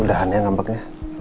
udah hanya ngambeknya